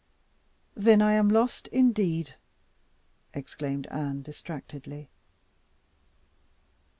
"Then I am lost indeed!" exclaimed Anne distractedly.